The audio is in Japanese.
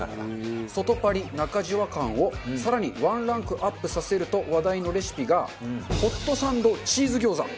外パリ・中ジュワ感を更にワンランクアップさせると話題のレシピがホットサンドチーズ餃子。